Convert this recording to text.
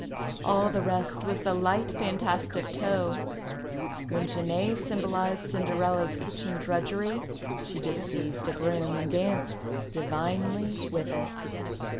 All the rest was the light fantastic toe. When Genee symbolized Cinderella's kitchen drudgerj', she just seized a broom and danced, di\'inely, with it.